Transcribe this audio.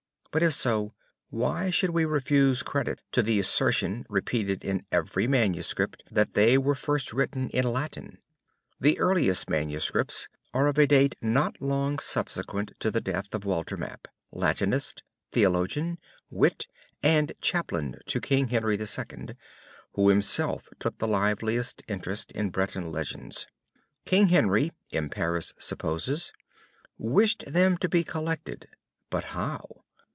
But if so, why should we refuse credit to the assertion, repeated in every MS. that they were first written in Latin? The earliest MSS. are of a date not long subsequent to the death of Walter Map, Latinist, theologian, wit, and Chaplain to King Henry II., who himself took the liveliest interest in Breton legends. King Henry, M. Paris supposes, wished them to be collected, but how?